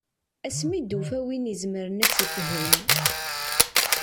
Asmi i d-tufa win i izemren ad tt-ifhem.